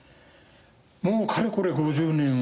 もうかれこれ５０年。